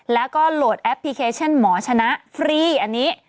แล้วก็โหลดแอปพลิเคชันหมอชนะฟรีอันนี้